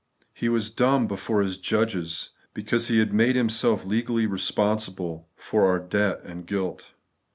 He was dumb before His judges, because He had made Himself legally re sponsible for our debt or guilt.